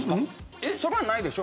えっそれはないでしょ？